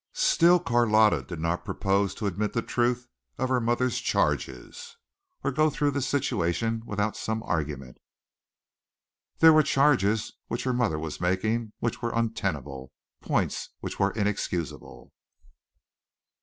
Still Carlotta did not propose to admit the truth of her mother's charges or to go through this situation without some argument. There were charges which her mother was making which were untenable points which were inexcusable.